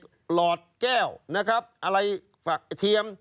หลอดแก้วนะครับอะไรฝักเทียม